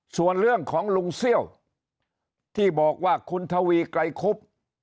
ส่วนเรื่องของลุงเซี่ยวที่บอกว่าคุณทวีไกรคุบ